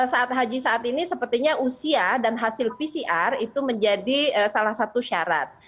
saat haji saat ini sepertinya usia dan hasil pcr itu menjadi salah satu syarat